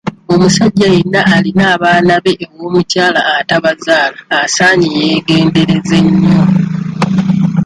Omusajja yenna alina abaana be ew'omukyala atabazaala asaanye yeegendereze nnyo.